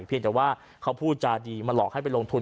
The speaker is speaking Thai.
เพียงแต่ว่าเขาพูดจาดีมาหลอกให้ไปลงทุน